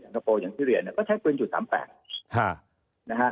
จังหกโปรอย่างที่เรียนเนี่ยก็ใช้ปืนจุดสามแปดฮ่านะฮะ